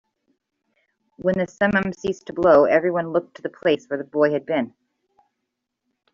When the simum ceased to blow, everyone looked to the place where the boy had been.